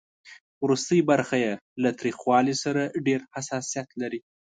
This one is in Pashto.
ورستۍ برخه یې له تریخوالي سره ډېر حساسیت لري.